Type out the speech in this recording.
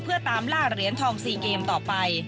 เพื่อตามล่าเหรียญทอง๔เกมต่อไป